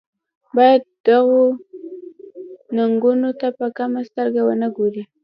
باید دغو ننګونو ته په کمه سترګه ونه ګوري.